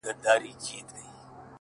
• له نقابو یې پرهېزګاره درخانۍ ایستله,